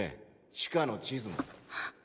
地下の地図も。っ！